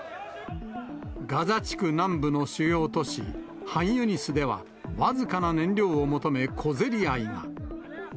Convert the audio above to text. ガザ地区南部の主要都市、ハンユニスでは、僅かな燃料を求め、小競り合いが。